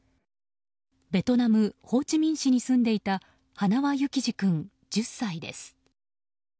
ベトナム・ホーチミン市に住んでいた塙幸士君、１０歳です。